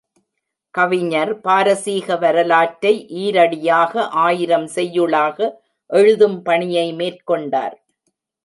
கவிஞர், பாரசீக வரலாற்றை ஈரடியாக ஆயிரம் செய்யுளாக எழுதும் பணியை மேற்கொண்டார்.